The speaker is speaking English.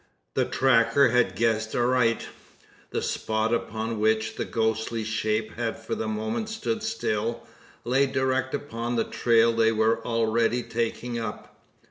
The tracker had guessed aright. The spot upon which the ghostly shape had for the moment stood still, lay direct upon the trail they were already taking up.